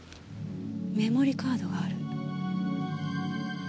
メモリーカードがある。